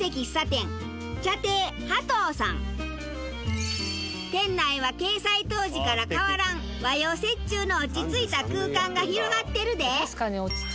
店内は掲載当時から変わらん和洋折衷の落ち着いた空間が広がってるで。